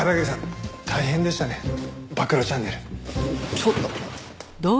ちょっと！